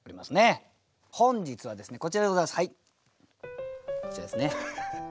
本日はですねこちらでございます。